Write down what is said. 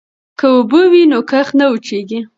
که اوبه وي نو کښت نه وچيږي.